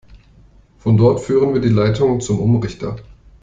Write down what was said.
Von dort führen die Leitungen zum Umrichter.